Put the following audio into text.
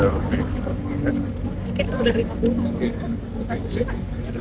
oke sudah lebih